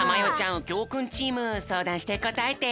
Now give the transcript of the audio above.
うきょうくんチームそうだんしてこたえて！